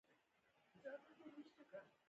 دواړو په لیدو سره وژړل او یو بل ته یې غېږه ورکړه